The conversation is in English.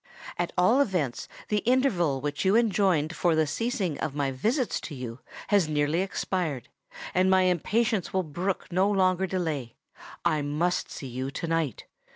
At all events the interval which you enjoined for the cessation of my visits to you, has nearly expired; and my impatience will brook no longer delay. I must see you to night!